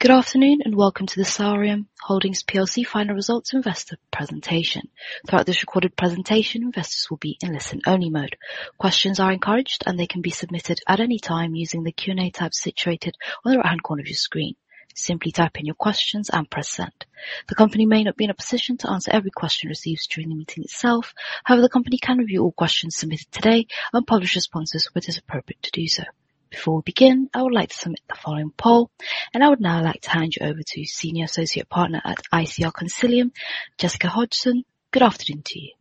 Good afternoon and welcome to the Sareum Holdings PLC final results investor presentation. Throughout this recorded presentation, investors will be in listen-only mode. Questions are encouraged, and they can be submitted at any time using the Q&A tab situated on the right-hand corner of your screen. Simply type in your questions and press send. The company may not be in a position to answer every question received during the meeting itself; however, the company can review all questions submitted today and publish responses when it is appropriate to do so. Before we begin, I would like to submit the following poll, and I would now like to hand you over to Senior Associate Partner at ICR Consilium, Jessica Hodgson. Good afternoon to you.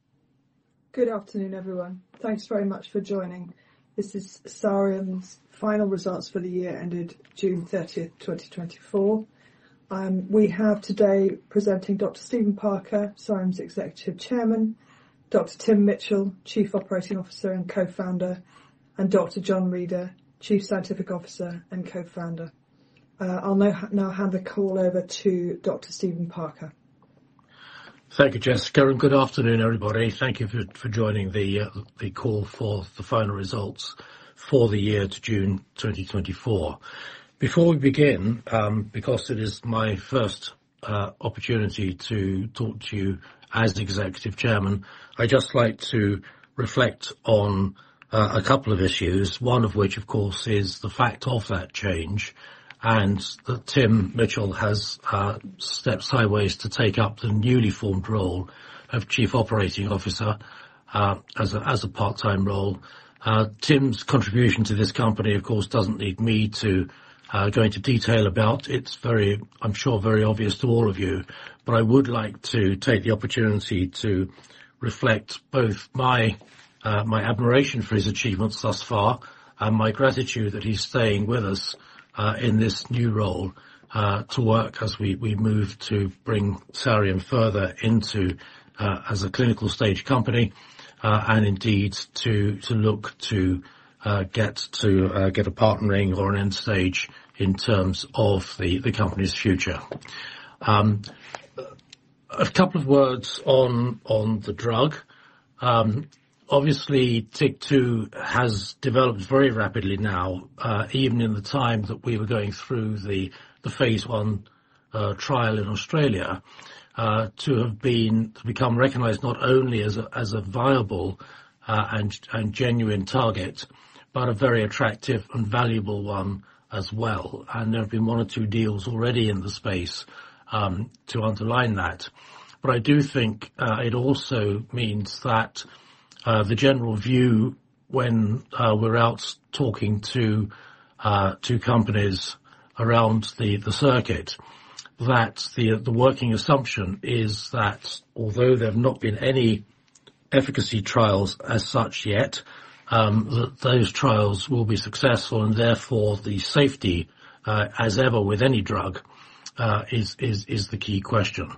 Good afternoon, everyone. Thanks very much for joining. This is Sareum's final results for the year ended June 30th, 2024. We have today presenting Dr. Stephen Parker, Sareum's Executive Chairman, Dr. Tim Mitchell, Chief Operating Officer and Co-founder, and Dr. John Reader, Chief Scientific Officer and Co-founder. I'll now hand the call over to Dr. Stephen Parker. Thank you, Jessica, and good afternoon, everybody. Thank you for joining the call for the final results for the year to June 2024. Before we begin, because it is my first opportunity to talk to you as Executive Chairman, I'd just like to reflect on a couple of issues, one of which, of course, is the fact of that change and that Tim Mitchell has stepped sideways to take up the newly formed role of Chief Operating Officer as a part-time role. Tim's contribution to this company, of course, doesn't need me to go into detail about. It's very, I'm sure, very obvious to all of you, but I would like to take the opportunity to reflect both my admiration for his achievements thus far and my gratitude that he's staying with us in this new role to work as we move to bring Sareum further into as a clinical stage company and indeed to look to get a partnering or an end stage in terms of the company's future. A couple of words on the drug. Obviously, TYK2 has developed very rapidly now, even in the time that we were going through the Phase 1 trial in Australia, to have become recognized not only as a viable and genuine target, but a very attractive and valuable one as well, and there have been one or two deals already in the space to underline that. But I do think it also means that the general view when we're out talking to companies around the circuit, that the working assumption is that although there have not been any efficacy trials as such yet, those trials will be successful, and therefore the safety, as ever with any drug, is the key question.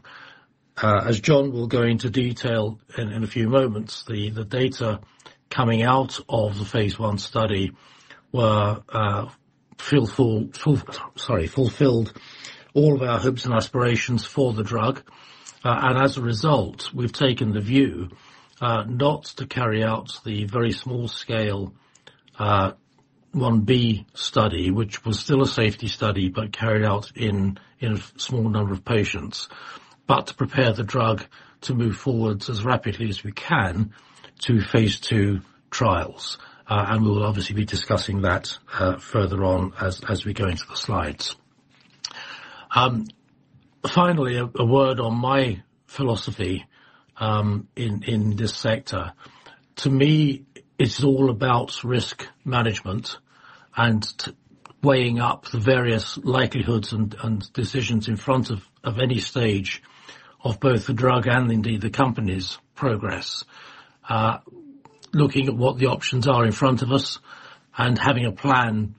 As John will go into detail in a few moments, the data coming out of the Phase 1 study were fulfilled all of our hopes and aspirations for the drug. And as a result, we've taken the view not to carry out the very small-scale 1b study, which was still a safety study but carried out in a small number of patients, but to prepare the drug to move forward as rapidly as we can to Phase 2 trials. And we will obviously be discussing that further on as we go into the Slides. Finally, a word on my philosophy in this sector. To me, it's all about risk management and weighing up the various likelihoods and decisions in front of any stage of both the drug and indeed the company's progress, looking at what the options are in front of us and having a plan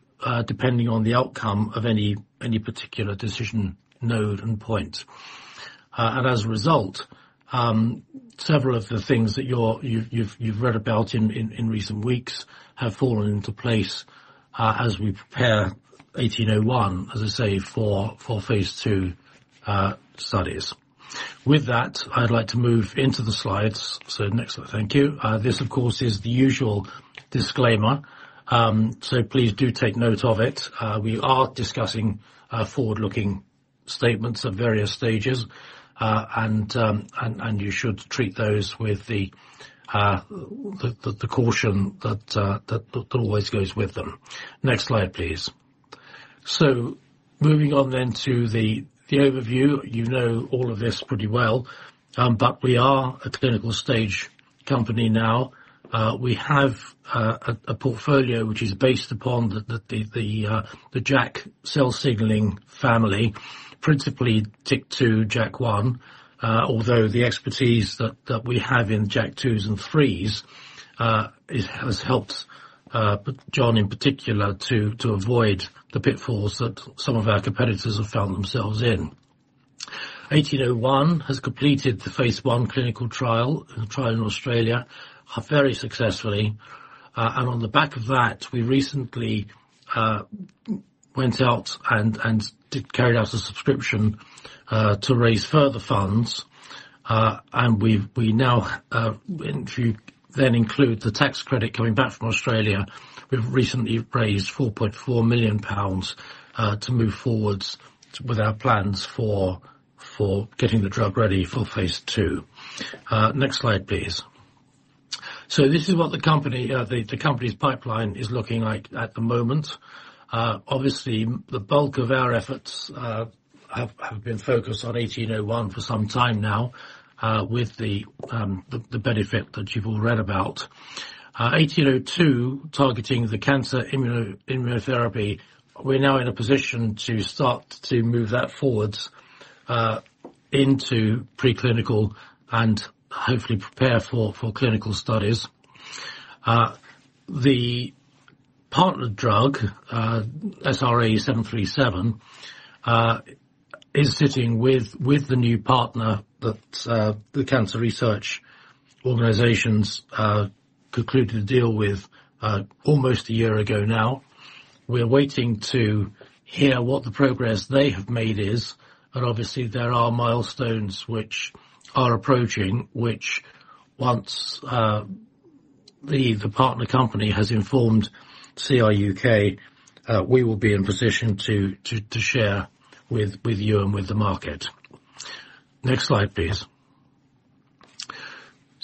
depending on the outcome of any particular decision node and point, and as a result, several of the things that you've read about in recent weeks have fallen into place as we prepare 1801, as I say, for Phase 2 studies. With that, I'd like to move into the Slides, so Next Slide, thank you. This, of course, is the usual disclaimer, so please do take note of it. We are discussing forward-looking statements at various stages, and you should treat those with the caution that always goes with them. Next Slide, please. So moving on then to the overview. You know all of this pretty well, but we are a clinical stage company now. We have a portfolio which is based upon the JAK cell signaling family, principally TYK2, JAK1, although the expertise that we have in JAK2s and 3s has helped John in particular to avoid the pitfalls that some of our competitors have found themselves in. 1801 has completed the Phase 1 clinical trial in Australia, very successfully. And on the back of that, we recently went out and carried out a subscription to raise further funds. And we now, if you then include the tax credit coming back from Australia, we've recently raised 4.4 million pounds to move forward with our plans for getting the drug ready for Phase 2. Next Slide, please. So this is what the company's pipeline is looking like at the moment. Obviously, the bulk of our efforts have been focused on 1801 for some time now with the benefit that you've all read about. 1802, targeting the cancer immunotherapy, we're now in a position to start to move that forward into preclinical and hopefully prepare for clinical studies. The partner drug, SRA737, is sitting with the new partner that Cancer Research UK concluded a deal with almost a year ago now. We're waiting to hear what the progress they have made is, and obviously, there are milestones which are approaching which, once the partner company has informed CRUK, we will be in position to share with you and with the market. Next Slide, please.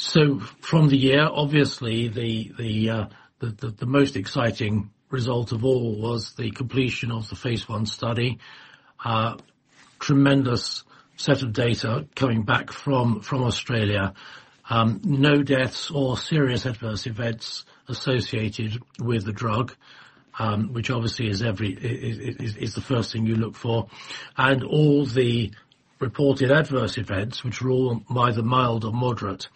So from the year, obviously, the most exciting result of all was the completion of the Phase 1 study. Tremendous set of data coming back from Australia. No deaths or serious adverse events associated with the drug, which obviously is the first thing you look for. And all the reported adverse events, which were all either mild or moderate,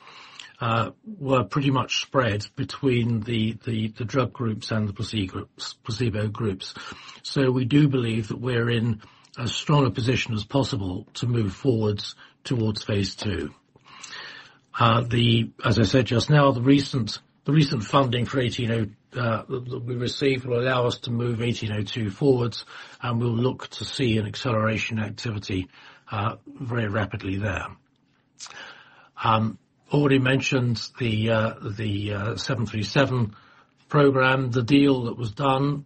were pretty much spread between the drug groups and the placebo groups. So we do believe that we're in as strong a position as possible to move forward towards Phase 2. As I said just now, the recent funding for 1802 that we received will allow us to move 1802 forward, and we'll look to see an acceleration activity very rapidly there. I already mentioned the 737 program. The deal that was done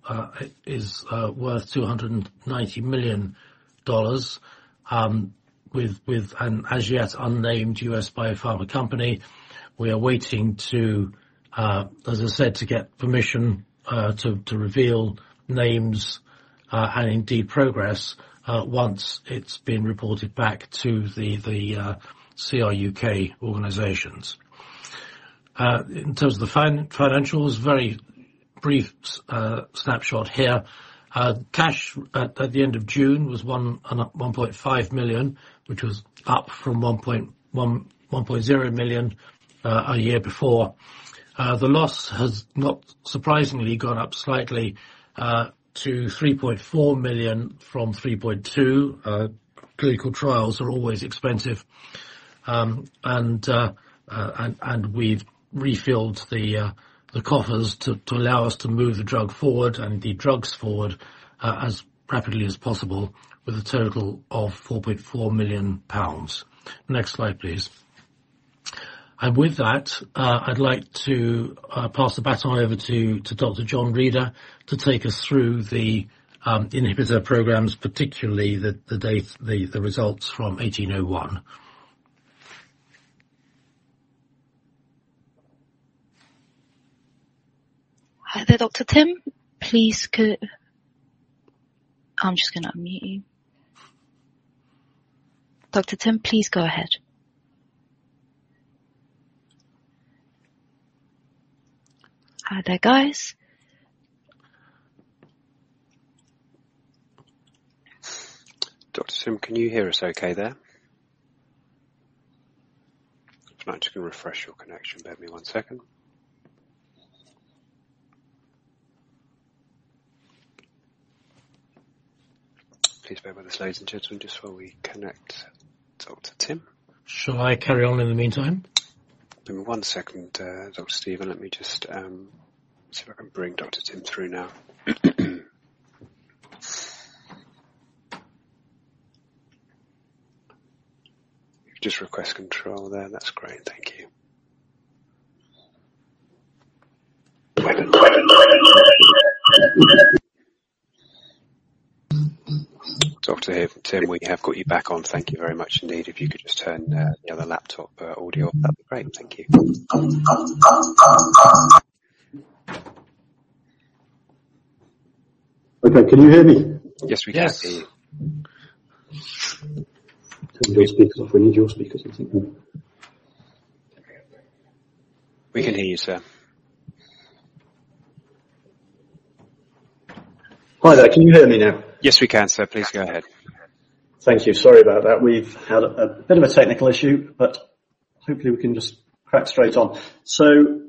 is worth $290 million with an as-yet unnamed U.S. biopharma company. We are waiting to, as I said, to get permission to reveal names and indeed progress once it's been reported back to the CRUK organizations. In terms of the financials, very brief snapshot here. Cash at the end of June was £1.5 million, which was up from £1.0 million a year before. The loss has not surprisingly gone up slightly to £3.4 million from £3.2 million. Clinical trials are always expensive, and we've refilled the coffers to allow us to move the drug forward and the drugs forward as rapidly as possible with a total of £4.4 million. Next Slide, please, and with that, I'd like to pass the baton over to Dr. John Reader to take us through the inhibitor programs, particularly the results from 1801. Hi there, Dr. Tim. Please go. I'm just going to unmute you. Dr. Tim, please go ahead. Hi there, guys. Dr. Tim, can you hear us okay there? If not, you can refresh your connection. Bear with me one second. Please bear with us, ladies and gentlemen, just while we connect Dr. Tim. Shall I carry on in the meantime? Give me one second, Dr. Stephen. Let me just see if I can bring Dr. Tim through now. You just request control there. That's great. Thank you. Dr. Tim, we have got you back on. Thank you very much. Indeed, if you could just turn the other laptop audio up, that'd be great. Thank you. Okay. Can you hear me? Yes, we can hear you. Tim, your speaker's off. We need your speaker's on. We can hear you, sir. Hi there. Can you hear me now? Yes, we can, sir. Please go ahead. Thank you. Sorry about that. We've had a bit of a technical issue, but hopefully, we can just crack straight on. So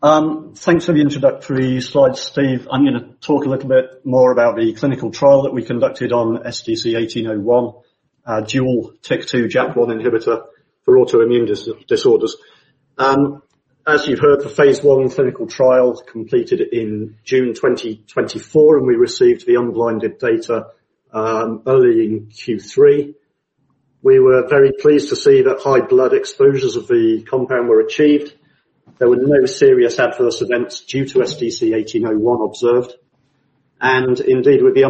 thanks for the introductory Slides, Steve. I'm going to talk a little bit more about the clinical trial that we conducted on SDC-1801, dual TYK2, JAK1 inhibitor for autoimmune disorders. As you've heard, the Phase 1 clinical trial completed in June 2024, and we received the unblinded data early in Q3. We were very pleased to see that high blood exposures of the compound were achieved. There were no serious adverse events due to SDC-1801 observed. And indeed, with the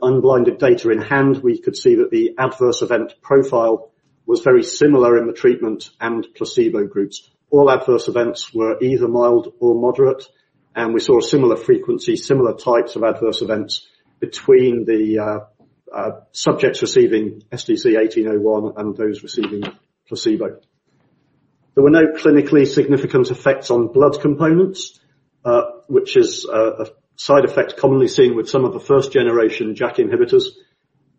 unblinded data in hand, we could see that the adverse event profile was very similar in the treatment and placebo groups. All adverse events were either mild or moderate, and we saw a similar frequency, similar types of adverse events between the subjects receiving SDC-1801 and those receiving placebo. There were no clinically significant effects on blood components, which is a side effect commonly seen with some of the first-generation JAK inhibitors,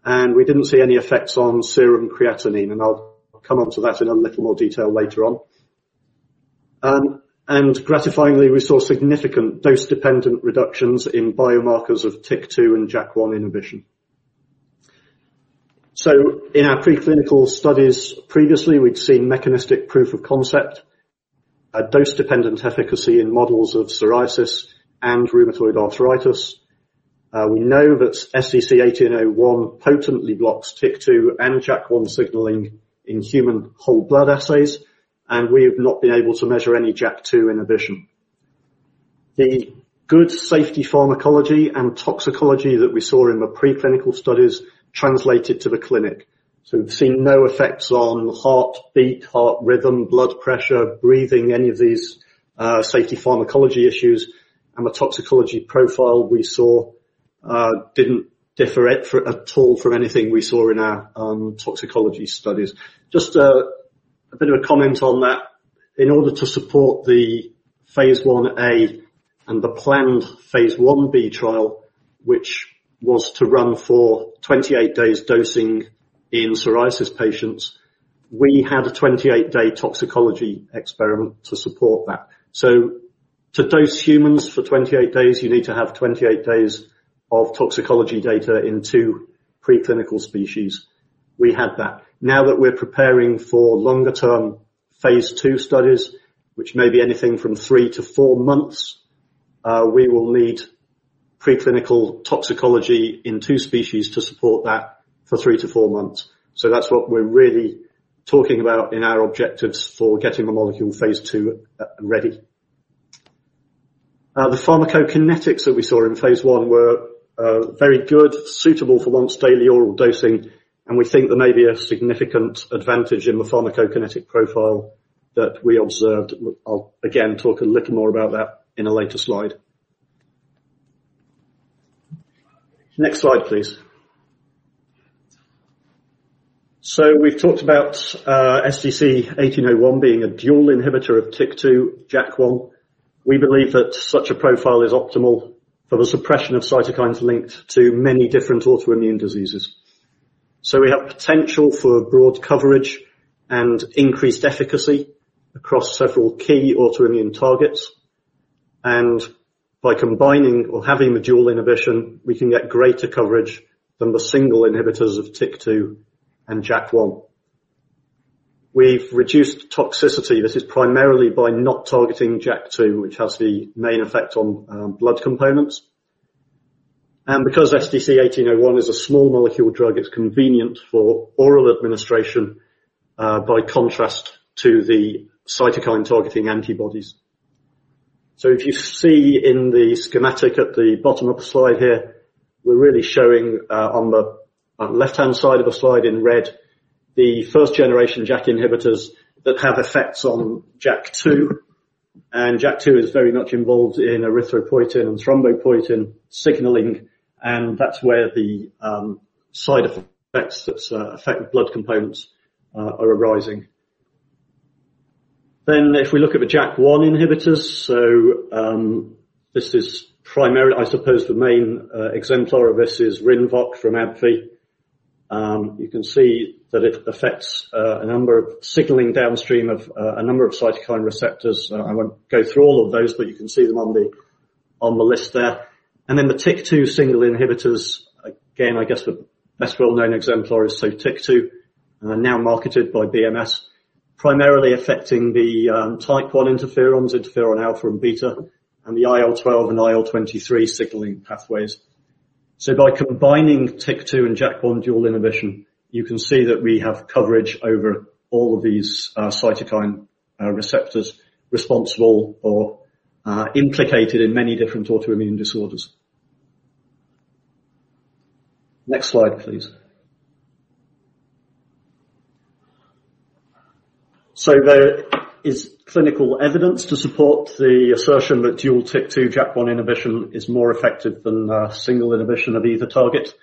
and we didn't see any effects on serum creatinine, and I'll come on to that in a little more detail later on, and gratifyingly, we saw significant dose-dependent reductions in biomarkers of TYK2 and JAK1 inhibition, so in our preclinical studies previously, we'd seen mechanistic proof of concept, dose-dependent efficacy in models of psoriasis and rheumatoid arthritis. We know that SDC-1801 potently blocks TYK2 and JAK1 signaling in human whole blood assays, and we have not been able to measure any JAK2 inhibition. The good safety pharmacology and toxicology that we saw in the preclinical studies translated to the clinic, so we've seen no effects on heartbeat, heart rhythm, blood pressure, breathing, any of these safety pharmacology issues, and the toxicology profile we saw didn't differ at all from anything we saw in our toxicology studies. Just a bit of a comment on that. In order to support the Phase 1A and the planned Phase 1B trial, which was to run for 28 days dosing in psoriasis patients, we had a 28-day toxicology experiment to support that, so to dose humans for 28 days, you need to have 28 days of toxicology data in two preclinical species. We had that. Now that we're preparing for longer-term Phase 2 studies, which may be anything from three to four months, we will need preclinical toxicology in two species to support that for three to four months. So that's what we're really talking about in our objectives for getting the molecule Phase 2 ready. The pharmacokinetics that we saw in Phase 1 were very good, suitable for once-daily oral dosing, and we think there may be a significant advantage in the pharmacokinetic profile that we observed. I'll, again, talk a little more about that in a later Slide. Next Slide, please. So we've talked about SDC-1801 being a dual inhibitor of TYK2, JAK1. We believe that such a profile is optimal for the suppression of cytokines linked to many different autoimmune diseases. So we have potential for broad coverage and increased efficacy across several key autoimmune targets. By combining or having the dual inhibition, we can get greater coverage than the single inhibitors of TYK2 and JAK1. We've reduced toxicity. This is primarily by not targeting JAK2, which has the main effect on blood components. Because SDC-1801 is a small molecule drug, it's convenient for oral administration by contrast to the cytokine-targeting antibodies. If you see in the schematic at the bottom of the Slide here, we're really showing on the left-hand side of the Slide in red the first-generation JAK inhibitors that have effects on JAK2. JAK2 is very much involved in erythropoietin and thrombopoietin signaling, and that's where the side effects that affect blood components are arising. If we look at the JAK1 inhibitors, so this is primarily, I suppose, the main exemplar of this is Rinvoq from AbbVie. You can see that it affects a number of signaling downstream of a number of cytokine receptors. I won't go through all of those, but you can see them on the list there. And then the TYK2 single inhibitors, again, I guess the best well-known exemplar is Sotyktu, now marketed by BMS, primarily affecting the type I interferons, interferon alpha and beta, and the IL-12 and IL-23 signaling pathways. So by combining TYK2 and JAK1 dual inhibition, you can see that we have coverage over all of these cytokine receptors responsible or implicated in many different autoimmune disorders. Next Slide, please. So there is clinical evidence to support the assertion that dual TYK2, JAK1 inhibition is more effective than single inhibition of either target.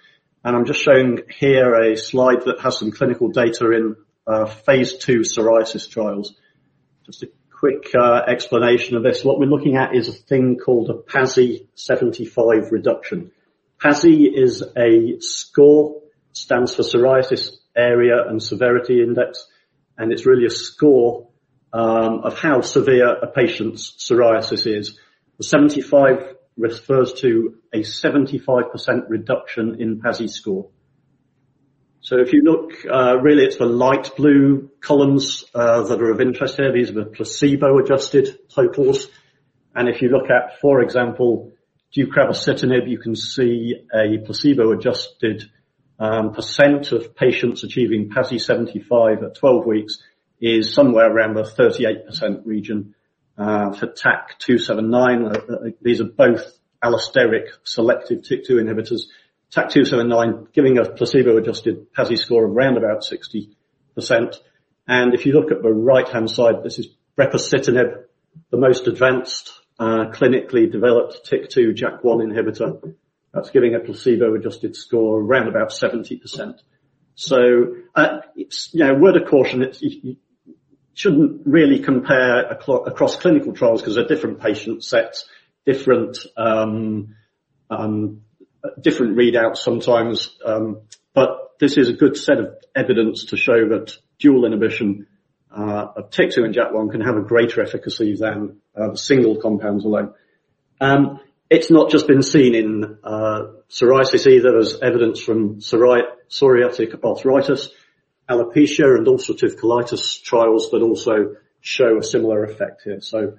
And I'm just showing here a Slide that has some clinical data in Phase 2 psoriasis trials. Just a quick explanation of this. What we're looking at is a thing called a PASI 75 reduction. PASI is a score, stands for Psoriasis Area and Severity Index, and it's really a score of how severe a patient's psoriasis is. The 75 refers to a 75% reduction in PASI score. So if you look, really, it's the light blue columns that are of interest here. These are the placebo-adjusted totals. And if you look at, for example, deucravacitinib, you can see a placebo-adjusted percent of patients achieving PASI 75 at 12 weeks is somewhere around the 38% region. For TAK-279, these are both allosteric selective TYK2 inhibitors. TAK-279, giving a placebo-adjusted PASI score of around about 60%. And if you look at the right-hand side, this is brepacitinib, the most advanced clinically developed TYK2, JAK1 inhibitor. That's giving a placebo-adjusted score of around about 70%. So a word of caution, it shouldn't really compare across clinical trials because they're different patient sets, different readouts sometimes. But this is a good set of evidence to show that dual inhibition of TYK2 and JAK1 can have a greater efficacy than single compounds alone. It's not just been seen in psoriasis either. There's evidence from psoriatic arthritis, alopecia, and ulcerative colitis trials that also show a similar effect here. So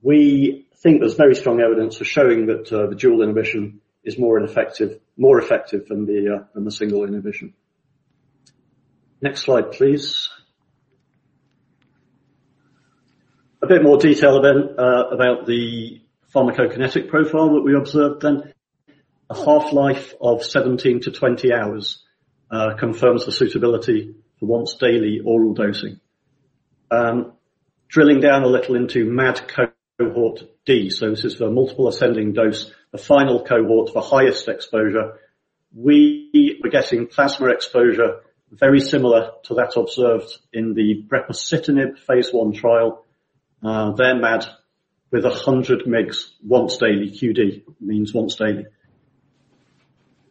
we think there's very strong evidence for showing that the dual inhibition is more effective than the single inhibition. Next Slide, please. A bit more detail about the pharmacokinetic profile that we observed then. A half-life of 17-20 hours confirms the suitability for once-daily oral dosing. Drilling down a little into MAD cohort D, so this is the multiple ascending dose, the final cohort for highest exposure, we were getting plasma exposure very similar to that observed in the Brepacitinib Phase 1 trial, their MAD with 100 mg once daily QD, means once daily.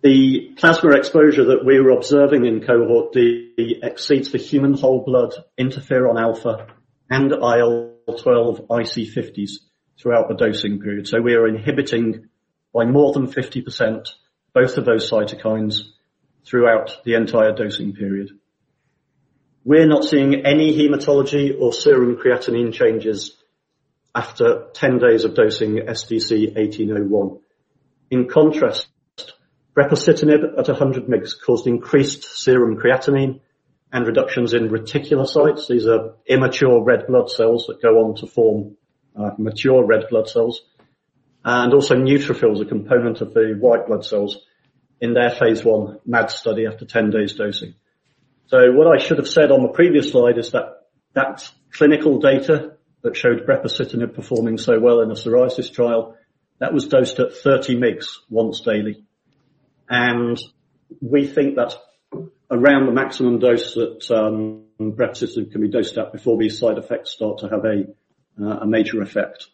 The plasma exposure that we were observing in cohort D exceeds the human whole blood interferon alpha and IL-12 IC50s throughout the dosing period, so we are inhibiting by more than 50% both of those cytokines throughout the entire dosing period. We're not seeing any hematology or serum creatinine changes after 10 days of dosing SDC1801. In contrast, Brepacitinib at 100 mg caused increased serum creatinine and reductions in reticulocytes. These are immature red blood cells that go on to form mature red blood cells. Also, neutrophils are a component of the white blood cells in their Phase 1 MAD study after 10 days dosing. So what I should have said on the previous Slide is that that clinical data that showed Brepacitinib performing so well in a psoriasis trial, that was dosed at 30 mg once daily. And we think that's around the maximum dose that Brepacitinib can be dosed at before these side effects start to have a major effect.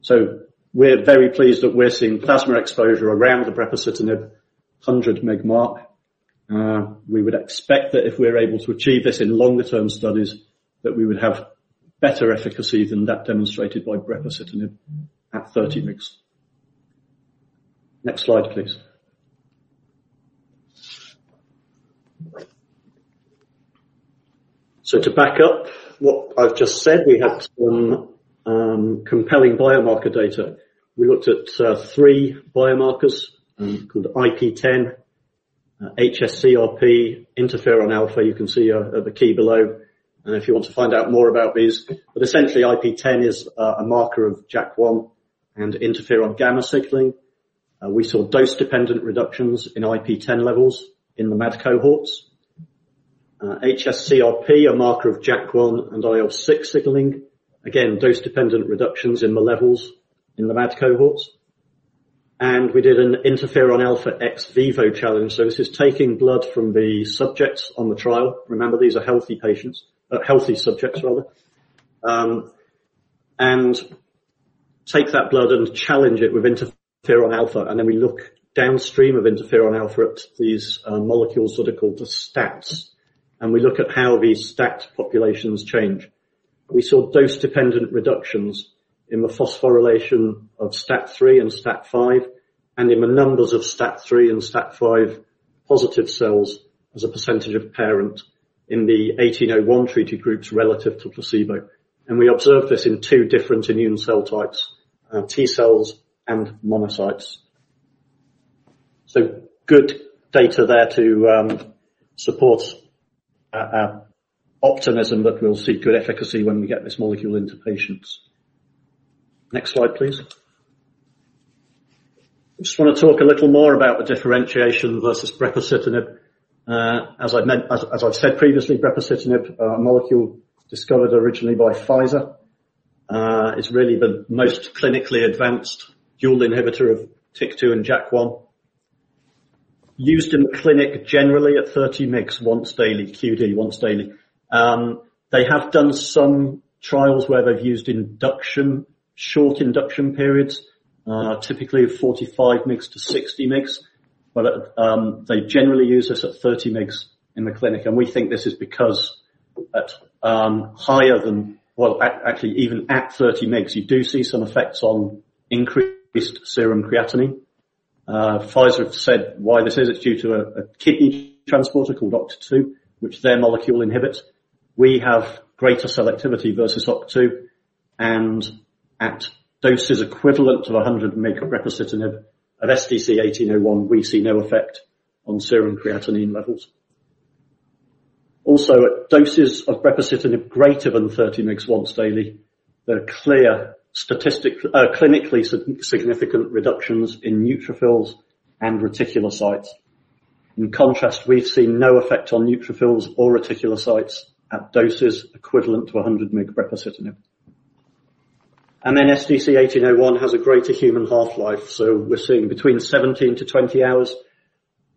So we're very pleased that we're seeing plasma exposure around the Brepacitinib 100 mg mark. We would expect that if we're able to achieve this in longer-term studies, that we would have better efficacy than that demonstrated by Brepacitinib at 30 mg. Next Slide, please. So to back up what I've just said, we had some compelling biomarker data. We looked at three biomarkers called IP-10, HS-CRP, interferon alpha. You can see the key below, and if you want to find out more about these, but essentially, IP-10 is a marker of JAK1 and interferon gamma signaling. We saw dose-dependent reductions in IP-10 levels in the MAD cohorts. HS-CRP, a marker of JAK1 and IL-6 signaling, again, dose-dependent reductions in the levels in the MAD cohorts. And we did an interferon alpha ex vivo challenge. So this is taking blood from the subjects on the trial. Remember, these are healthy subjects, rather. And take that blood and challenge it with interferon alpha. And then we look downstream of interferon alpha at these molecules that are called the STATs. And we look at how these STAT populations change. We saw dose-dependent reductions in the phosphorylation of STAT3 and STAT5, and in the numbers of STAT3 and STAT5 positive cells as a percentage of parent in the 1801 treated groups relative to placebo. We observed this in two different immune cell types, T cells and monocytes. Good data there supports our optimism that we'll see good efficacy when we get this molecule into patients. Next Slide, please. I just want to talk a little more about the differentiation versus Brepacitinib. As I've said previously, Brepacitinib, a molecule discovered originally by Pfizer, is really the most clinically advanced dual inhibitor of TYK2 and JAK1. Used in the clinic generally at 30 mgs once daily QD, once daily. They have done some trials where they've used short induction periods, typically 45 mgs to 60 mgs. But they generally use this at 30 mgs in the clinic. We think this is because at higher than well, actually, even at 30 mg, you do see some effects on increased serum creatinine. Pfizer have said why this is. It's due to a kidney transporter called OCT2, which their molecule inhibits. We have greater selectivity versus OCT2. And at doses equivalent to 100 mg of Brepacitinib of SDC-1801, we see no effect on serum creatinine levels. Also, at doses of Brepacitinib greater than 30 mg once daily, there are clear clinically significant reductions in neutrophils and reticulocytes. In contrast, we've seen no effect on neutrophils or reticulocytes at doses equivalent to 100 mg of Brepacitinib. And then SDC-1801 has a greater human half-life. So we're seeing between 17 to 20 hours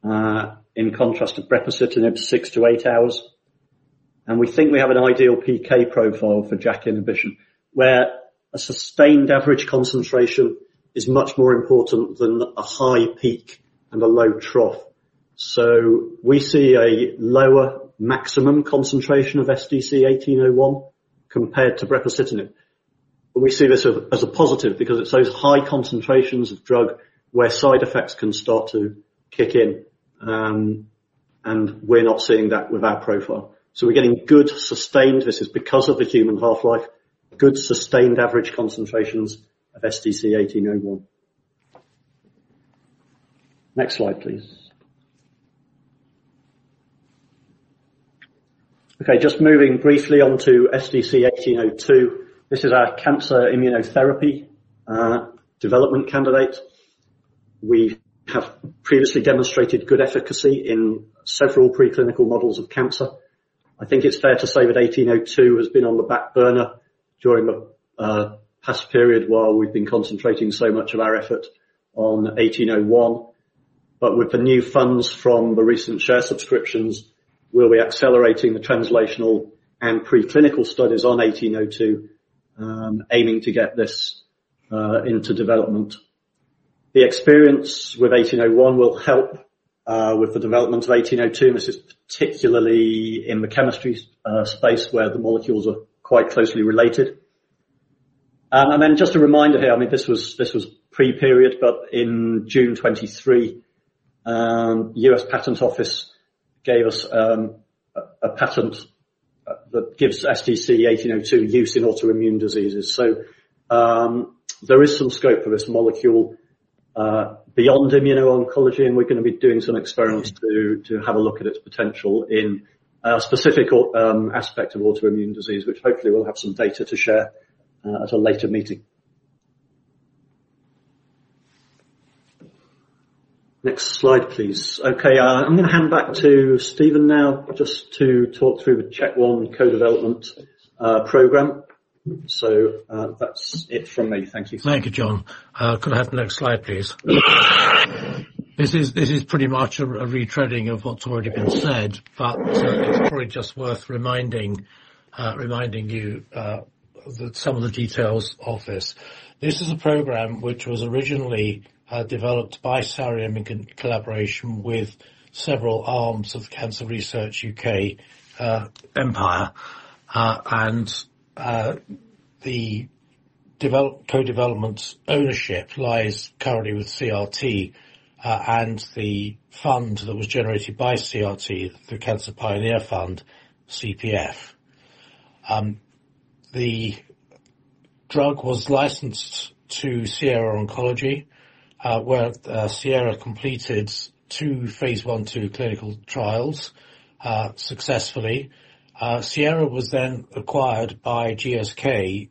in contrast to Brepacitinib, 6 to 8 hours. We think we have an ideal PK profile for JAK inhibition, where a sustained average concentration is much more important than a high peak and a low trough. We see a lower maximum concentration of SDC-1801 compared to Brepacitinib. We see this as a positive because it shows high concentrations of drug where side effects can start to kick in. We're not seeing that with our profile. We're getting good sustained (this is because of the human half-life) good sustained average concentrations of SDC-1801. Next Slide, please. Okay, just moving briefly on to SDC-1802. This is our cancer immunotherapy development candidate. We have previously demonstrated good efficacy in several preclinical models of cancer. I think it's fair to say that SDC-1802 has been on the back burner during the past period while we've been concentrating so much of our effort on SDC-1801. But with the new funds from the recent share subscriptions, we'll be accelerating the translational and preclinical studies on 1802, aiming to get this into development. The experience with 1801 will help with the development of 1802, and this is particularly in the chemistry space where the molecules are quite closely related. And then just a reminder here, I mean, this was pre-period, but in June 2023, U.S. Patent Office gave us a patent that gives SDC-1802 use in autoimmune diseases. So there is some scope for this molecule beyond immuno-oncology, and we're going to be doing some experiments to have a look at its potential in a specific aspect of autoimmune disease, which hopefully we'll have some data to share at a later meeting. Next Slide, please. Okay, I'm going to hand back to Stephen now just to talk through the JAK1 co-development program. So that's it from me. Thank you. Thank you, John. Could I have the Next Slide, please? This is pretty much a retreading of what's already been said, but it's probably just worth reminding you of some of the details of this. This is a program which was originally developed by Sareum in collaboration with several arms of Cancer Research UK. The co-development ownership lies currently with CRT and the fund that was generated by CRT, the Cancer Pioneer Fund, CPF. The drug was licensed to Sierra Oncology, where Sierra completed two Phase 1 clinical trials successfully. Sierra was then acquired by GSK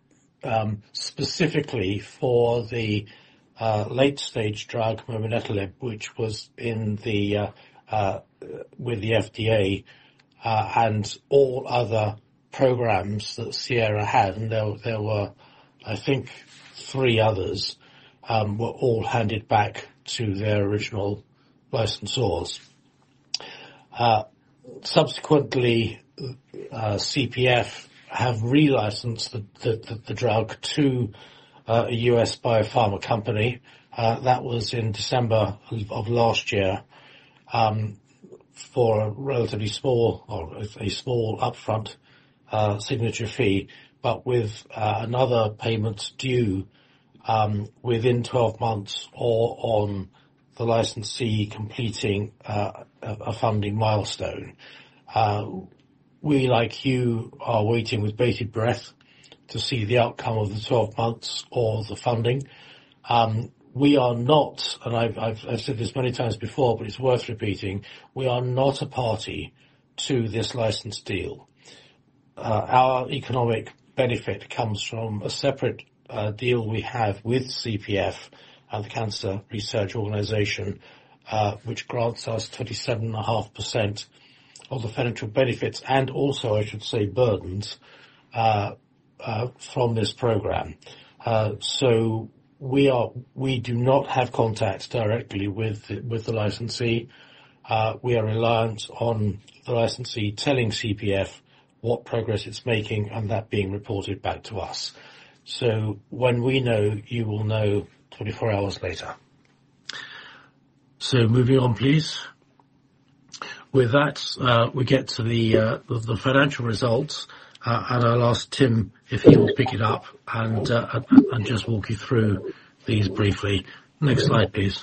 specifically for the late-stage drug, momelotinib, which was with the FDA and all other programs that Sierra had. There were, I think, three others that were all handed back to their original licensors. Subsequently, CPF have relicensed the drug to a U.S. biopharma company. That was in December of last year for a relatively small upfront signature fee, but with another payment due within 12 months or on the licensee completing a funding milestone. We, like you, are waiting with bated breath to see the outcome of the 12 months or the funding. We are not, and I've said this many times before, but it's worth repeating, we are not a party to this license deal. Our economic benefit comes from a separate deal we have with CPF, the Cancer Pioneer Fund, which grants us 27.5% of the financial benefits and also, I should say, burdens from this program. So we do not have contact directly with the licensee. We are reliant on the licensee telling CPF what progress it's making and that being reported back to us. So when we know, you will know 24 hours later. So moving on, please. With that, we get to the financial results, and I'll ask Tim if he will pick it up and just walk you through these briefly. Next Slide, please.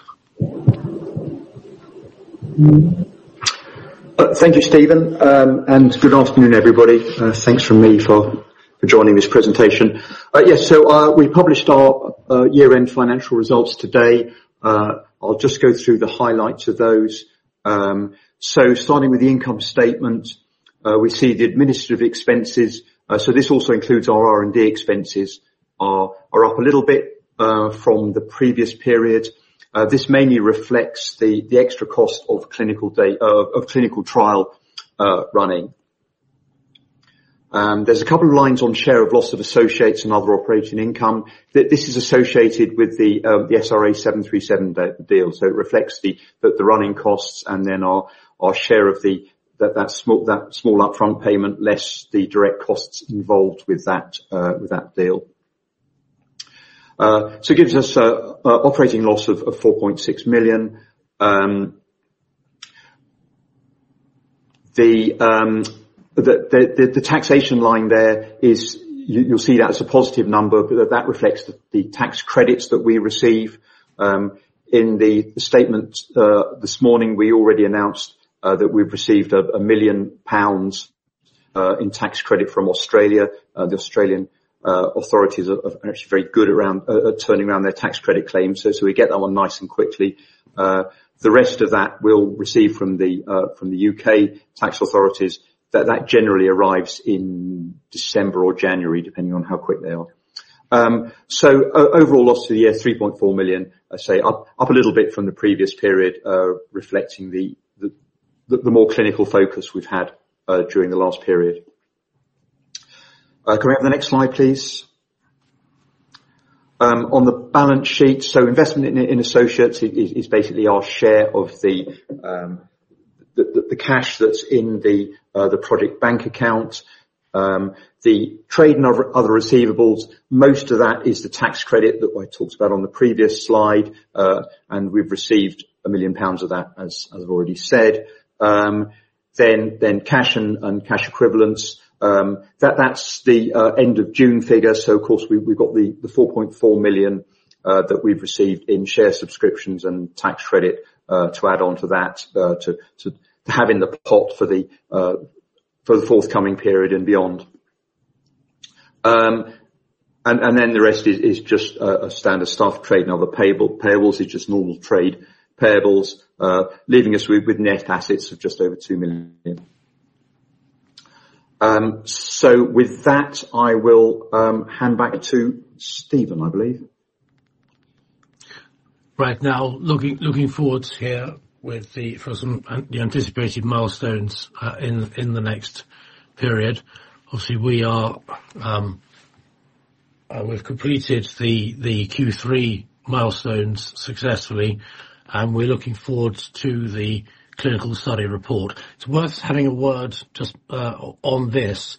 Thank you, Stephen, and good afternoon, everybody. Thanks from me for joining this presentation. Yes, so we published our year-end financial results today. I'll just go through the highlights of those, so starting with the income statement, we see the administrative expenses. So this also includes our R&D expenses are up a little bit from the previous period. This mainly reflects the extra cost of clinical trial running. There's a couple of lines on share of loss of associates and other operating income. This is associated with the SRA737 deal. So it reflects the running costs and then our share of that small upfront payment less the direct costs involved with that deal. So it gives us an operating loss of 4.6 million. The taxation line there, you'll see that as a positive number, but that reflects the tax credits that we receive. In the statement this morning, we already announced that we've received one million pounds in tax credit from Australia. The Australian authorities are actually very good at turning around their tax credit claims. So we get that one nice and quickly. The rest of that we'll receive from the U.K. tax authorities. That generally arrives in December or January, depending on how quick they are. So overall loss of the year, 3.4 million, I'd say, up a little bit from the previous period, reflecting the more clinical focus we've had during the last period. Can we have the Next Slide, please? On the balance sheet, so investment in associates is basically our share of the cash that's in the project bank account. The trade and other receivables, most of that is the tax credit that I talked about on the previous Slide. And we've received 1 million pounds of that, as I've already said. Then cash and cash equivalents. That's the end of June figure. So, of course, we've got the 4.4 million that we've received in share subscriptions and tax credit to add on to that, to have in the pot for the forthcoming period and beyond. And then the rest is just standard stuff, trade and other payables. It's just normal trade payables, leaving us with net assets of just over 2 million. So with that, I will hand back to Stephen, I believe. Right. Now, looking forward here with the anticipated milestones in the next period, obviously, we've completed the Q3 milestones successfully, and we're looking forward to the clinical study report. It's worth having a word just on this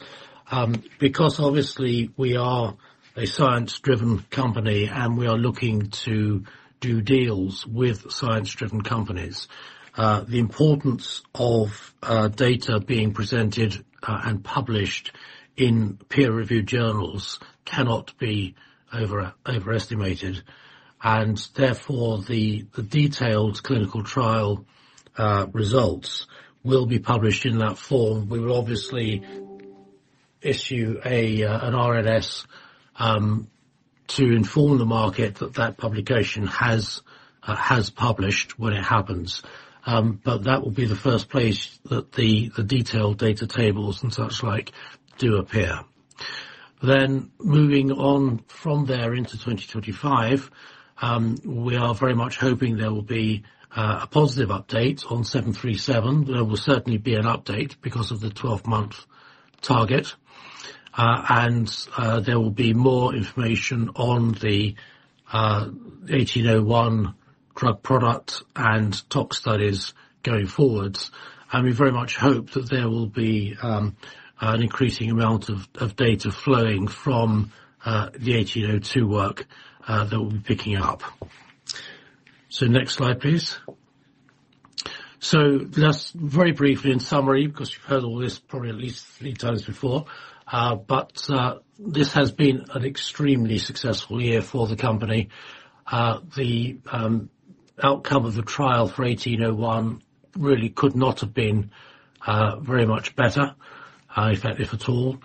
because, obviously, we are a science-driven company, and we are looking to do deals with science-driven companies. The importance of data being presented and published in peer-reviewed journals cannot be overestimated, and therefore, the detailed clinical trial results will be published in that form. We will obviously issue an RNS to inform the market that that publication has published when it happens, but that will be the first place that the detailed data tables and such like do appear, then, moving on from there into 2025, we are very much hoping there will be a positive update on 737. There will certainly be an update because of the 12-month target. There will be more information on the 1801 drug product and tox studies going forward. We very much hope that there will be an increasing amount of data flowing from the 1802 work that we'll be picking up. Next Slide, please. Just very briefly in summary, because you've heard all this probably at least three times before, but this has been an extremely successful year for the company. The outcome of the trial for 1801 really could not have been very much better, if at all.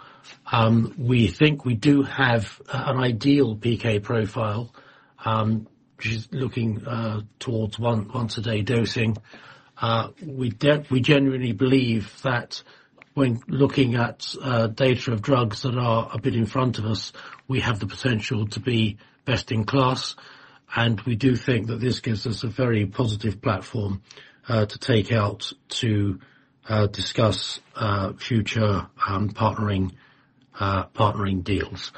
We think we do have an ideal pK profile, which is looking towards once-a-day dosing. We genuinely believe that when looking at data of drugs that are a bit in front of us, we have the potential to be best in class. We do think that this gives us a very positive platform to take out to discuss future partnering deals.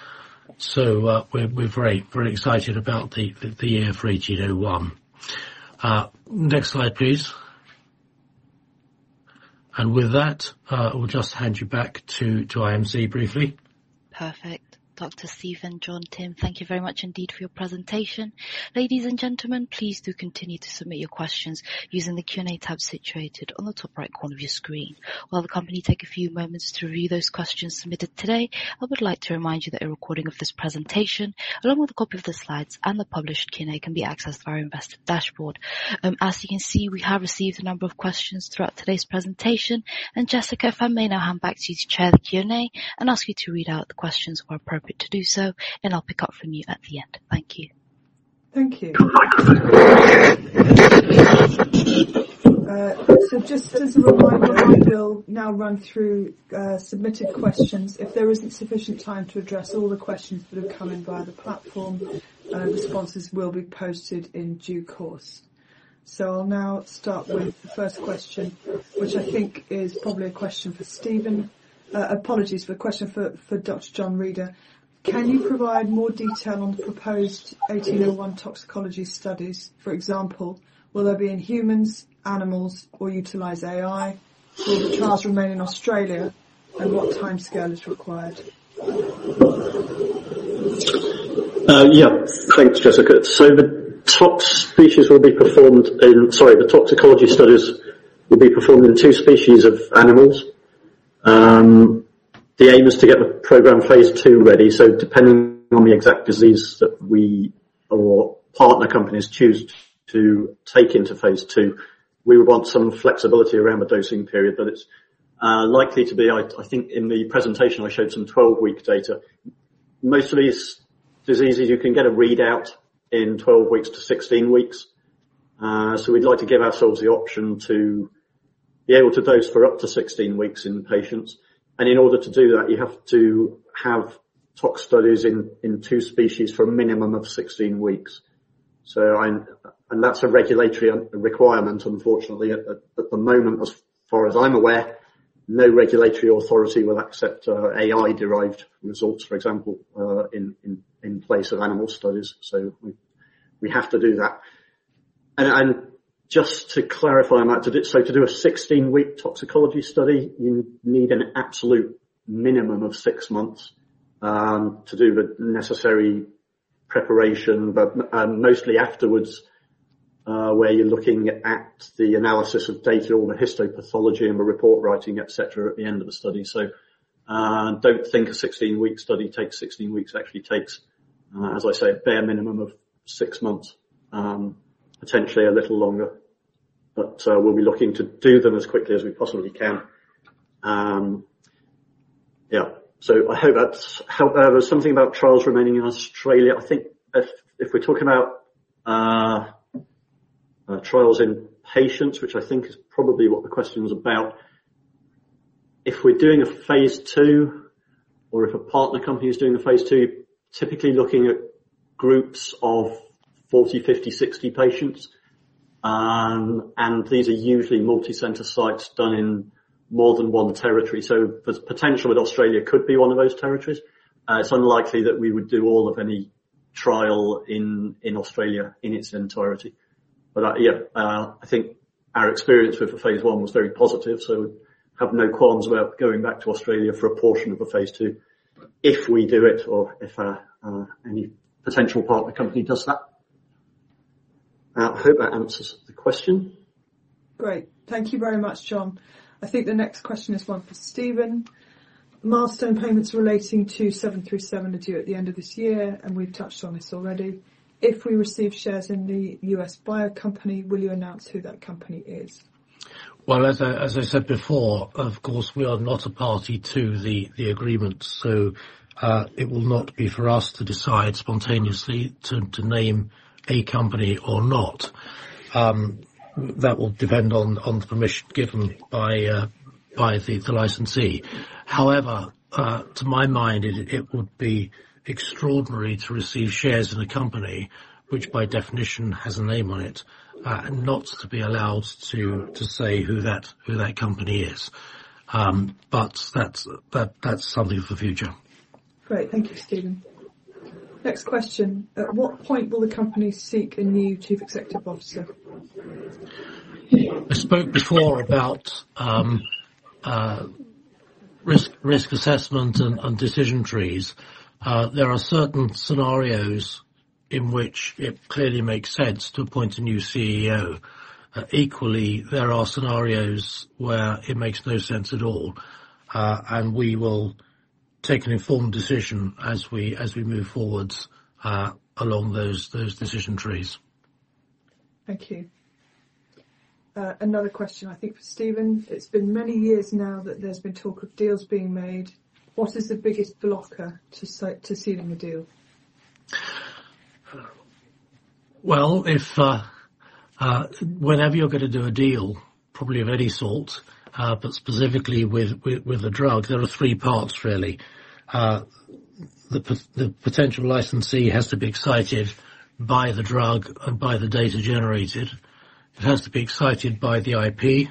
We're very excited about the year for 1801. Next Slide, please. With that, I'll just hand you back to IMC briefly. Perfect. Dr. Stephen, John, Tim, thank you very much indeed for your presentation. Ladies and gentlemen, please do continue to submit your questions using the Q&A tab situated on the top right corner of your screen. While the company takes a few moments to review those questions submitted today, I would like to remind you that a recording of this presentation, along with a copy of the Slides and the published Q&A, can be accessed via our Investor dashboard. As you can see, we have received a number of questions throughout today's presentation. And Jessica, if I may now hand back to you to chair the Q&A and ask you to read out the questions where appropriate to do so, and I'll pick up from you at the end. Thank you. Thank you. So just as a reminder, I will now run through submitted questions. If there isn't sufficient time to address all the questions that have come in via the platform, responses will be posted in due course. So I'll now start with the first question, which I think is probably a question for Stephen. Apologies, but a question for Dr. John Reader. Can you provide more detail on the proposed 1801 toxicology studies? For example, will they be in humans, animals, or utilize AI? Will the trials remain in Australia, and what timescale is required? Yeah. Thanks, Jessica. So the toxicology studies will be performed in two species of animals. The aim is to get the program Phase 2 ready. So depending on the exact disease that we or partner companies choose to take into Phase 2, we would want some flexibility around the dosing period. But it's likely to be, I think, in the presentation, I showed some 12-week data. Most of these diseases, you can get a readout in 12 weeks to 16 weeks. So we'd like to give ourselves the option to be able to dose for up to 16 weeks in patients. And in order to do that, you have to have tox studies in two species for a minimum of 16 weeks. And that's a regulatory requirement, unfortunately, at the moment, as far as I'm aware. No regulatory authority will accept AI-derived results, for example, in place of animal studies, so we have to do that, and just to clarify on that, so to do a 16-week toxicology study, you need an absolute minimum of six months to do the necessary preparation, but mostly afterwards, where you're looking at the analysis of data or the histopathology and the report writing, etc., at the end of the study, so don't think a 16-week study takes 16 weeks. It actually takes, as I say, a bare minimum of six months, potentially a little longer, but we'll be looking to do them as quickly as we possibly can. Yeah, so I hope that's helped. There's something about trials remaining in Australia. I think if we're talking about trials in patients, which I think is probably what the question was about, if we're doing a Phase 2 or if a partner company is doing a Phase 2, typically looking at groups of 40, 50, 60 patients, and these are usually multi-center sites done in more than one territory, so the potential with Australia could be one of those territories. It's unlikely that we would do all of any trial in Australia in its entirety, but yeah, I think our experience with Phase 1 was very positive, so we have no qualms about going back to Australia for a portion of the Phase 2 if we do it or if any potential partner company does that. I hope that answers the question. Great. Thank you very much, John. I think the next question is one for Stephen. Milestone payments relating to 737 are due at the end of this year, and we've touched on this already. If we receive shares in the U.S. bio company, will you announce who that company is? Well, as I said before, of course, we are not a party to the agreement. So it will not be for us to decide spontaneously to name a company or not. That will depend on the permission given by the licensee. However, to my mind, it would be extraordinary to receive shares in a company which, by definition, has a name on it, not to be allowed to say who that company is. But that's something for the future. Great. Thank you, Stephen. Next question. At what point will the company seek a new chief executive officer? I spoke before about risk assessment and decision trees. There are certain scenarios in which it clearly makes sense to appoint a new CEO. Equally, there are scenarios where it makes no sense at all, and we will take an informed decision as we move forward along those decision trees. Thank you. Another question, I think, for Stephen. It's been many years now that there's been talk of deals being made. What is the biggest blocker to sealing a deal? Well, whenever you're going to do a deal, probably of any sort, but specifically with a drug, there are three parts, really. The potential licensee has to be excited by the drug and by the data generated. It has to be excited by the IP,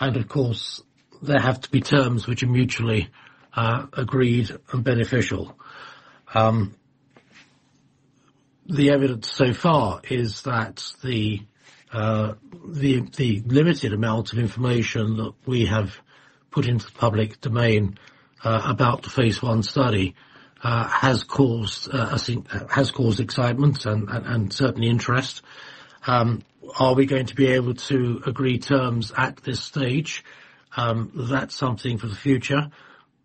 and of course, there have to be terms which are mutually agreed and beneficial. The evidence so far is that the limited amount of information that we have put into the public domain about the Phase 1 study has caused excitement and certainly interest. Are we going to be able to agree terms at this stage? That's something for the future.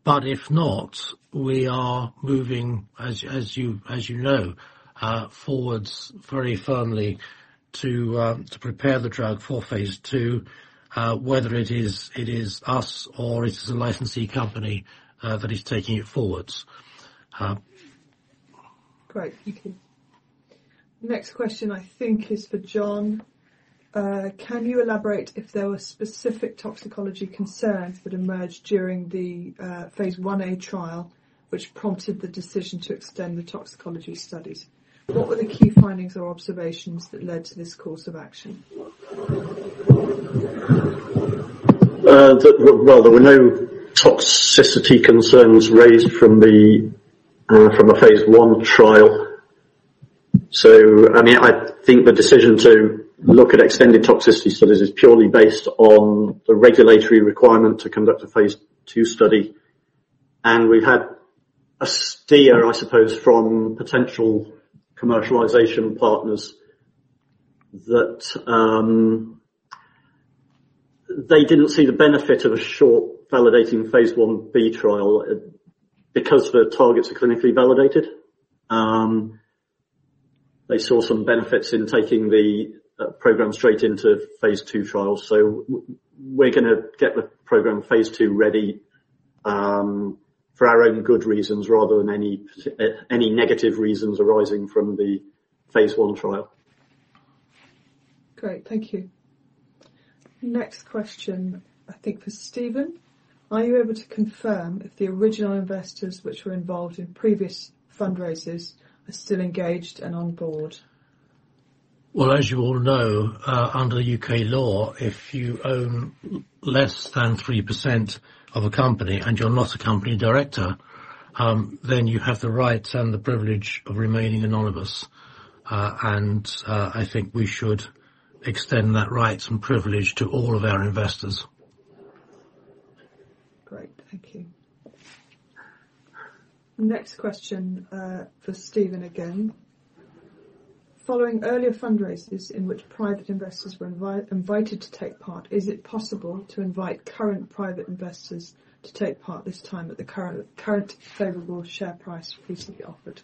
But if not, we are moving, as you know, forwards very firmly to prepare the drug for Phase 2, whether it is us or it is a licensee company that is taking it forwards. Great. Thank you. Next question, I think, is for John. Can you elaborate if there were specific toxicology concerns that emerged during the Phase 1A trial which prompted the decision to extend the toxicology studies? What were the key findings or observations that led to this course of action? Well, there were no toxicity concerns raised from a Phase 1 trial. So, I mean, I think the decision to look at extended toxicity studies is purely based on the regulatory requirement to conduct a Phase 2 study. And we've had a steer, I suppose, from potential commercialization partners that they didn't see the benefit of a short validating Phase 1 B trial because the targets are clinically validated. They saw some benefits in taking the program straight into Phase 2 trials. So we're going to get the program Phase 2 ready for our own good reasons rather than any negative reasons arising from the Phase 1 trial. Great. Thank you. Next question, I think, for Stephen. Are you able to confirm if the original investors which were involved in previous fundraisers are still engaged and on board? As you all know, under U.K. law, if you own less than 3% of a company and you're not a company director, then you have the rights and the privilege of remaining anonymous. And I think we should extend that rights and privilege to all of our investors. Great. Thank you. Next question for Stephen again. Following earlier fundraisers in which private investors were invited to take part, is it possible to invite current private investors to take part this time at the current favorable share price offered?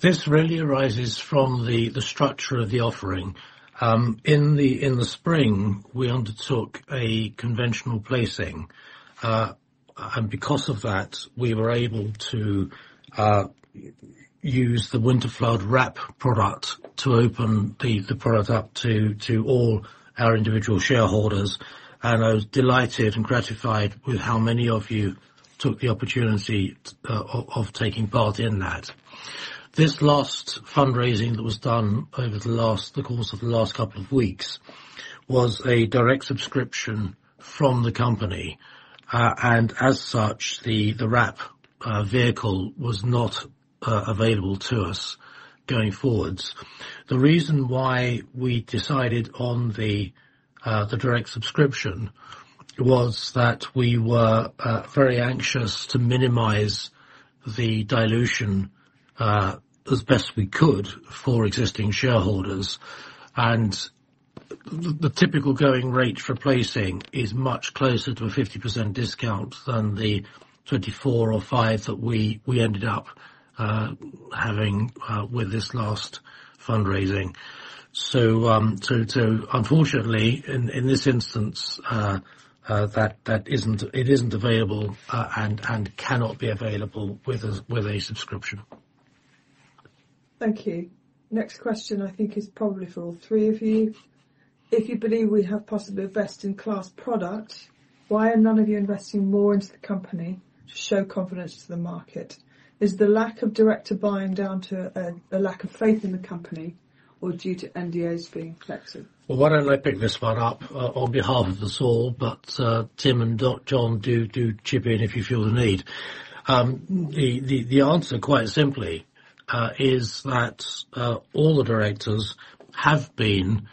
This really arises from the structure of the offering. In the spring, we undertook a conventional placing. And because of that, we were able to use the Winterflood Wrap product to open the product up to all our individual shareholders. And I was delighted and gratified with how many of you took the opportunity of taking part in that. This last fundraising that was done over the course of the last couple of weeks was a direct subscription from the company. And as such, the wrap vehicle was not available to us going forward. The reason why we decided on the direct subscription was that we were very anxious to minimize the dilution as best we could for existing shareholders. And the typical going rate for placing is much closer to a 50% discount than the 24 or 25 that we ended up having with this last fundraising. So, unfortunately, in this instance, it isn't available and cannot be available with a subscription. Thank you. Next question, I think, is probably for all three of you. If you believe we have possibly a best-in-class product, why are none of you investing more into the company to show confidence to the market? Is the lack of direct buying down to a lack of faith in the company or due to NDAs being flexible? Well, why don't I pick this one up on behalf of us all, but Tim and John do chip in if you feel the need. The answer, quite simply, is that all the directors have been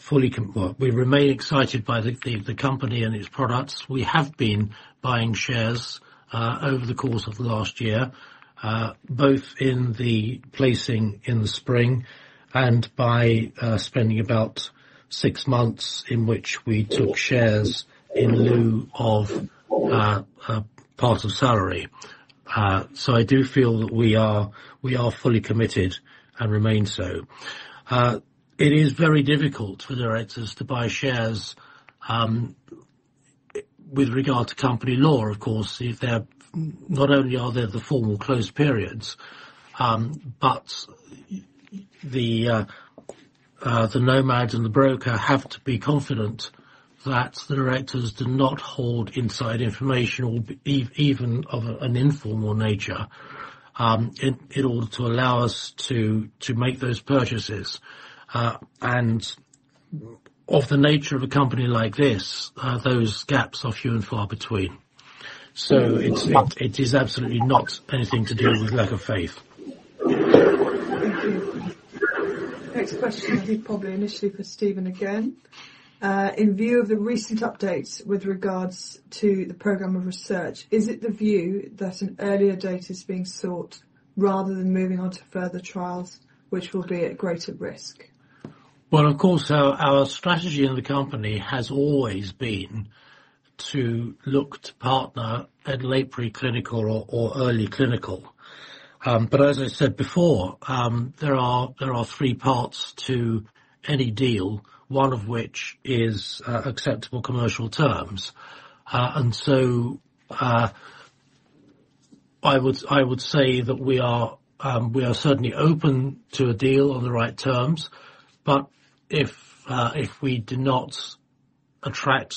fully. We remain excited by the company and its products. We have been buying shares over the course of the last year, both in the placing in the spring and by spending about six months in which we took shares in lieu of part of salary. So I do feel that we are fully committed and remain so. It is very difficult for directors to buy shares with regard to company law, of course. Not only are there the formal closed periods, but the NOMADs and the broker have to be confident that the directors do not hold inside information, even of an informal nature, in order to allow us to make those purchases, and of the nature of a company like this, those gaps are few and far between, so it is absolutely not anything to do with lack of faith. Thank you. Next question will be probably initially for Stephen again. In view of the recent updates with regards to the program of research, is it the view that an earlier date is being sought rather than moving on to further trials, which will be at greater risk? Well, of course, our strategy in the company has always been to look to partner at late preclinical or early clinical. But as I said before, there are three parts to any deal, one of which is acceptable commercial terms. And so I would say that we are certainly open to a deal on the right terms. But if we do not attract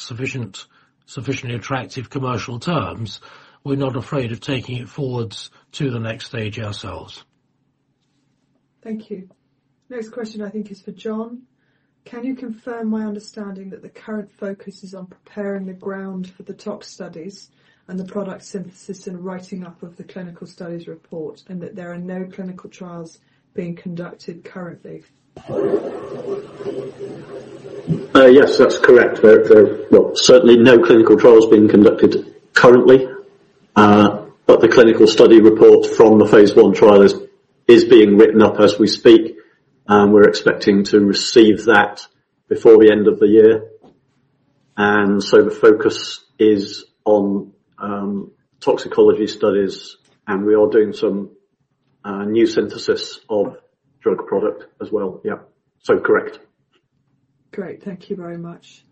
sufficiently attractive commercial terms, we're not afraid of taking it forwards to the next stage ourselves. Thank you. Next question, I think, is for John. Can you confirm my understanding that the current focus is on preparing the ground for the tox studies and the product synthesis and writing up of the clinical studies report, and that there are no clinical trials being conducted currently? Yes, that's correct. Well, certainly no clinical trials being conducted currently. But the clinical study report from the Phase 1 trial is being written up as we speak. We're expecting to receive that before the end of the year. And so the focus is on toxicology studies. And we are doing some new synthesis of drug product as well. Yeah. So correct. Great. Thank you very much.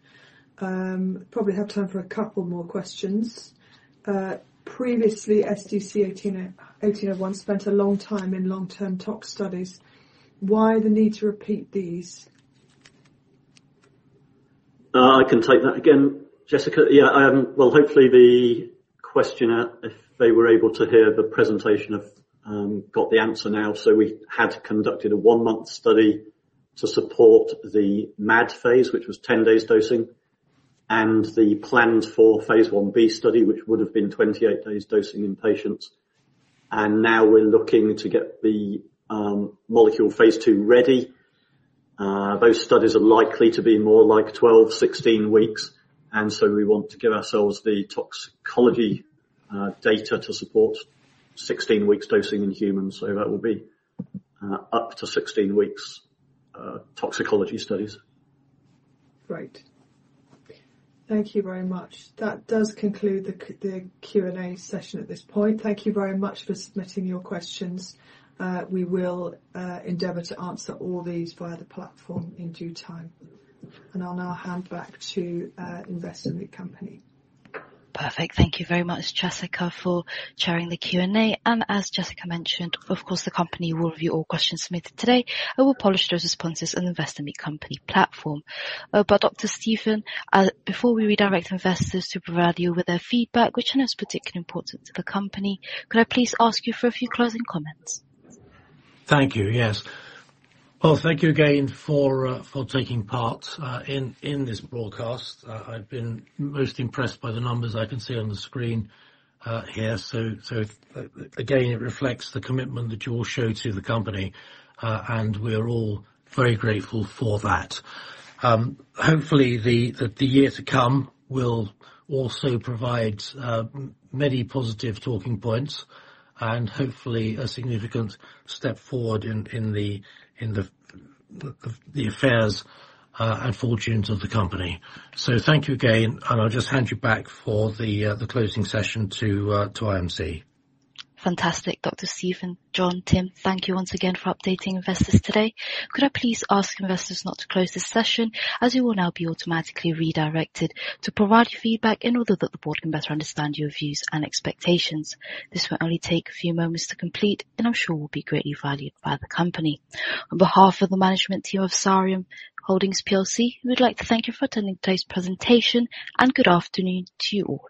Probably have time for a couple more questions. Previously, SDC-1801 spent a long time in long-term tox studies. Why the need to repeat these? I can take that again, Jessica. Yeah. Well, hopefully, the questioners, if they were able to hear the presentation, have got the answer now. So we had conducted a one-month study to support the MAD phase, which was 10 days dosing, and the planned for Phase 1b study, which would have been 28 days dosing in patients. And now we're looking to get the molecule Phase 2 ready. Those studies are likely to be more like 12-16 weeks. And so we want to give ourselves the toxicology data to support 16 weeks dosing in humans. So that will be up to 16 weeks toxicology studies. Great. Thank you very much. That does conclude the Q&A session at this point. Thank you very much for submitting your questions. We will endeavor to answer all these via the platform in due time. And I'll now hand back to Investor Meet Company. Perfect. Thank you very much, Jessica, for sharing the Q&A. And as Jessica mentioned, of course, the company will review all questions submitted today and will publish those responses on the Investor Meet Company platform. But Dr. Stephen, before we redirect investors to provide you with their feedback, which I know is particularly important to the company, could I please ask you for a few closing comments? Thank you. Yes. Well, thank you again for taking part in this broadcast. I've been most impressed by the numbers I can see on the screen here. So again, it reflects the commitment that you all show to the company. And we are all very grateful for that. Hopefully, the year to come will also provide many positive talking points and hopefully a significant step forward in the affairs and fortunes of the company. So thank you again. And I'll just hand you back for the closing session to IMC. Fantastic. Dr. Stephen, John, Tim, thank you once again for updating investors today. Could I please ask investors not to close this session as you will now be automatically redirected to provide your feedback in order that the board can better understand your views and expectations? This will only take a few moments to complete, and I'm sure will be greatly valued by the company. On behalf of the management team of Sareum Holdings PLC, we'd like to thank you for attending today's presentation. Good afternoon to you all.